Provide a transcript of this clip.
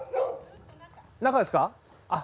中ですか？